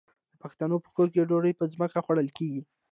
د پښتنو په کور کې ډوډۍ په ځمکه خوړل کیږي.